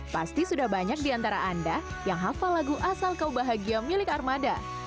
pasti sudah banyak di antara anda yang hafal lagu asal kau bahagia milik armada